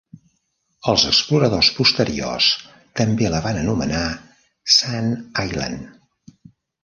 Els exploradors posteriors també la van anomenar "Sand Island".